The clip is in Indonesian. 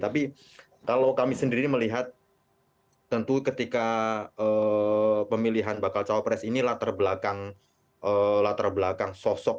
tapi kalau kami sendiri melihat tentu ketika pemilihan bakal cawapres ini latar belakang sosok